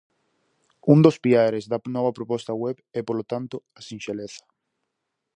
Un dos piares da nova proposta web é polo tanto a sinxeleza.